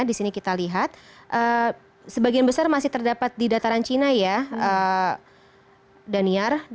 di sini kita lihat sebagian besar masih terdapat di dataran cina ya daniar